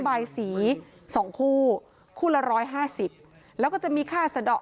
บายศรี๒คู่คู่ละ๑๕๐แล้วก็จะมีค่าสะดอก